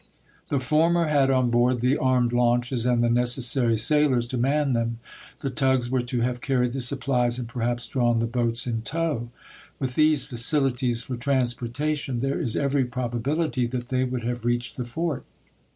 The former had on board the armed launches and the necessary sailors to man them ; the tugs were to have carried the supplies and perhaps drawn the boats in tow. With these facilities for transportation, there is every proba bility that they would have reached the fort.